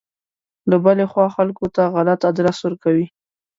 له بلې خوا خلکو ته غلط ادرس ورکوي.